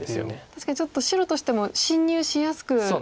確かにちょっと白としても侵入しやすくなりますね